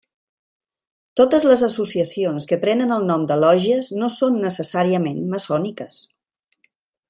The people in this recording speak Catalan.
Totes les associacions que prenen el nom de lògies no són necessàriament maçòniques.